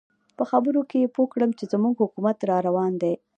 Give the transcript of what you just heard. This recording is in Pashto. په خبرو کې یې پوه کړم چې زموږ حکومت را روان دی.